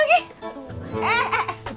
sampai jumpa lagi